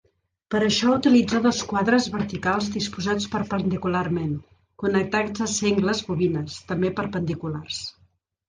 Per això utilitza dos quadres verticals disposats perpendicularment, connectats a sengles bobines, també perpendiculars.